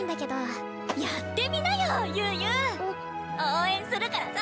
応援するからさ！